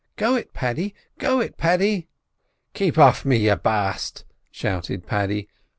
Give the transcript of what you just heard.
"Go it, Paddy! go it, Paddy!" "Kape off me, you baste!" shouted Paddy.